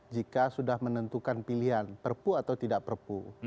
jika sudah menentukan pilihan perpu atau tidak perpu